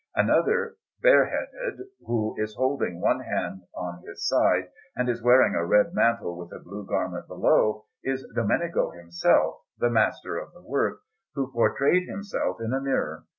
Another, bareheaded, who is holding one hand on his side and is wearing a red mantle, with a blue garment below, is Domenico himself, the master of the work, who portrayed himself in a mirror.